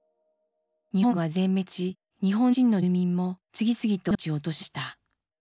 日本軍は全滅し日本人の住民も次々と命を落としました。